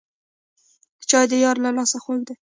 چای د یار له لاسه خوږ وي